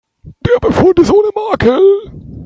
Der Befund ist ohne Makel.